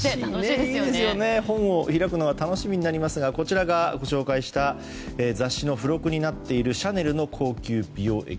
本を開くのが楽しみになりますがこちらがご紹介した雑誌の付録になっているシャネルの高級美容液。